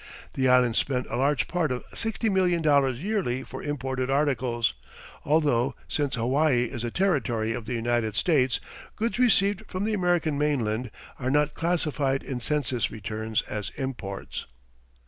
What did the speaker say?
The Islands spend a large part of $60,000,000 yearly for imported articles, although, since Hawaii is a territory of the United States, goods received from the American mainland are not classified in census returns as imports.